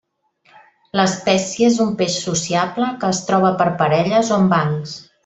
L'espècie és un peix sociable, que es troba per parelles o en bancs.